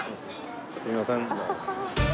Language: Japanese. すみません。